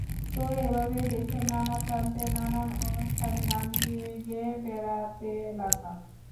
তো এভাবেই দেশের নানা প্রান্তে নানান অনুষ্ঠানে গান গেয়ে গেয়ে বেড়াতে লাগলাম।